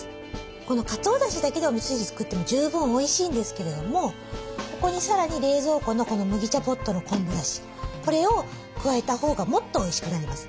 このかつおだしだけでおみそ汁作っても十分おいしいんですけれどもここにさらに冷蔵庫の麦茶ポットの昆布だしこれを加えたほうがもっとおいしくなります。